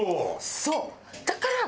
そう。